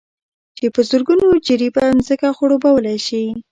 چې په زرگونو جرېبه ځمكه خړوبولى شي،